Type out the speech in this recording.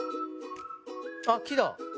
あっ、木だ！